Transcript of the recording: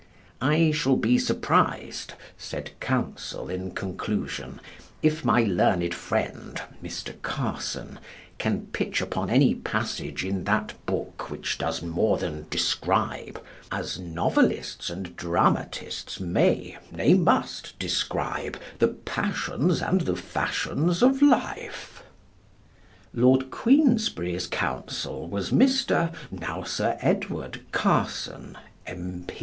"I shall be surprised," said Counsel in conclusion, "if my learned friend (Mr. Carson) can pitch upon any passage in that book which does more than describe as novelists and dramatists may, nay, must, describe the passions and the fashions of life." Lord Queensberry's Counsel was Mr. (now Sir Edward) Carson, M.